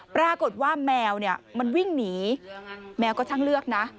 ปรากฏว่าแมวเนี่ยมันวิ่งหนีแมวก็ทั้งเลือกนะ